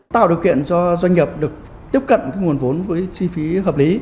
tạo điều kiện cho doanh nghiệp được tiếp cận nguồn vốn với chi phí hợp lý